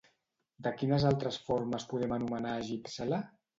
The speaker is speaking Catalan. De quines altres formes podem anomenar a Gypsela?